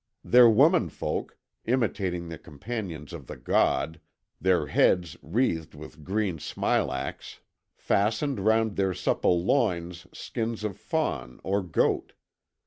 Their womenfolk, imitating the companions of the God, their heads wreathed with green smilax, fastened round their supple loins skins of fawn or goat.